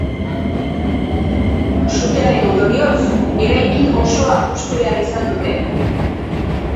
Sutearen ondorioz, eraikin osoa hustu behar izan dute.